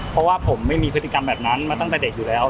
เพราะว่าผมไม่มีพฤติกรรมแบบนั้นมาตั้งแต่เด็กอยู่แล้ว